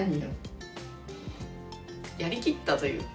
やりきったというか